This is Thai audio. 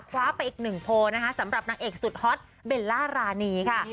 คว้าไปอีกหนึ่งโพลนะคะสำหรับนางเอกสุดฮอตเบลล่ารานีค่ะ